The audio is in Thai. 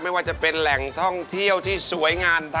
ไม่ว่าจะเป็นแหล่งท่องเที่ยวที่สวยงาม